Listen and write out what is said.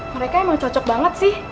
mereka emang cocok banget sih